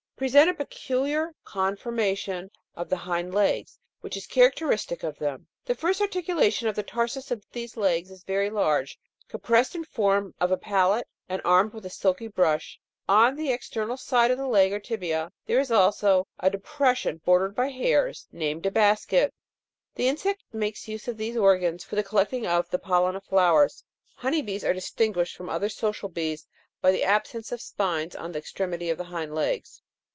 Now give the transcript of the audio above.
sent a peculiar conformation of the hind legs, which is characteristic of them ; the first articulation of the tarsus of these legs is very large, compressed in form of a palette and armed with a silky brush ; on the external side of the leg or tibia there is also a depres sion bordered by hairs, named a basket; the insect makes use of these organs for collecting the pollen of flowers. Honey bees are distinguished from other social bees by the absence of spines on the extremity of the hind legs.